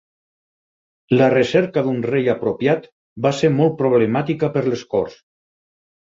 La recerca d'un rei apropiat va ser molt problemàtica per les Corts.